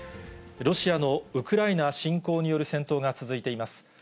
ロシアのウクライナ侵攻による戦闘が続いています。